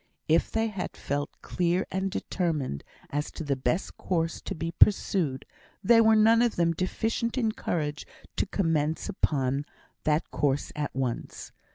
If they had felt clear and determined as to the best course to be pursued, they were none of them deficient in courage to commence upon that course at once.